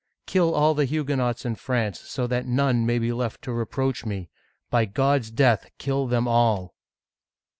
Kill all the Huguenots in France, so that none may be left to reproach me. By God's death, kill them all